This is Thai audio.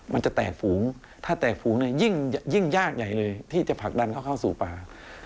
มันจะแตกฝูงถ้าแตกฝูงเนี่ยยิ่งยากใหญ่เลยที่จะผลักดันเขาเข้าสู่ป่า